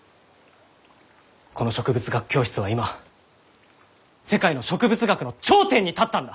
この植物学教室は今世界の植物学の頂点に立ったんだ！